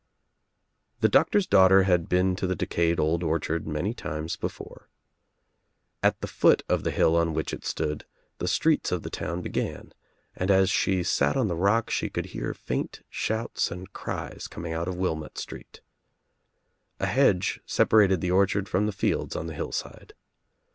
The doctor's daughter had been to the decayed old orchard many times before. At the foot of the hill on which it stood the streets of the town began, and as she sat on the rock she could hear faint shouts and cries coming out of Wilmott Street. A hedge separated the orchard from the fields on the hillside.